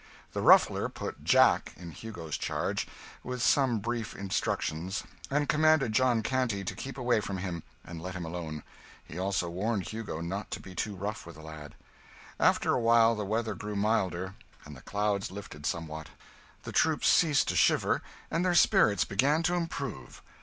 The Ruffler put 'Jack' in Hugo's charge, with some brief instructions, and commanded John Canty to keep away from him and let him alone; he also warned Hugo not to be too rough with the lad. After a while the weather grew milder, and the clouds lifted somewhat. The troop ceased to shiver, and their spirits began to improve.